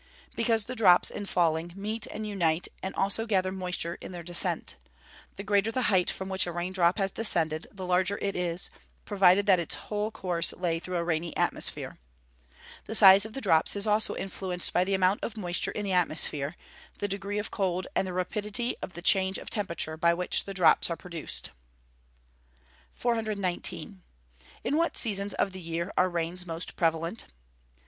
_ Because the drops, in falling, meet and unite, and also gather moisture in their descent. The greater the height from which a rain drop has descended, the larger it is, provided that its whole course lay through a rainy atmosphere. The size of the drops is also influenced by the amount of moisture in the atmosphere, the degree of cold, and the rapidity of the change of temperature, by which the drops are produced. 419. _In what seasons of the year are rains most prevalent?